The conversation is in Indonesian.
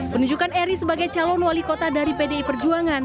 penunjukan eri sebagai calon wali kota dari pdi perjuangan